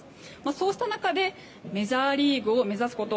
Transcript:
そうした中でメジャーリーグを目指すこと。